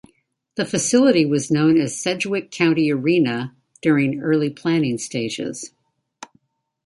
The facility was known as Sedgwick County Arena during early planning stages.